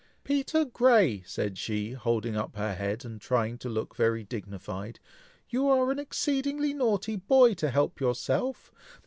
"Peter Grey!" said she, holding up her head, and trying to look very dignified, "you are an exceedingly naughty boy, to help yourself!